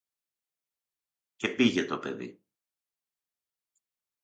Και πήγε το παιδί